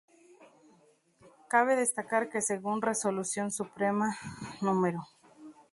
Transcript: Cabe destacar que según Resolución Suprema Nro.